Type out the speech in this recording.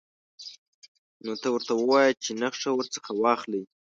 نو ته ورته ووایه چې نخښه ورڅخه واخلئ.